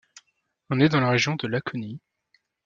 Né dans la région de Laconie.